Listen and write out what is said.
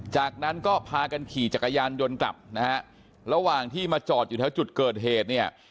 จากนั้นก็พากันขี่จักรยานยนต์กลับนะฮะระหว่างที่มาจอดอยู่แถวจุดเกิดเหตุเนี่ย